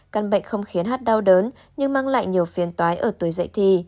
căn bệnh không khiến hát đau đớn nhưng mang lại nhiều phiền tói ở tuổi dậy thì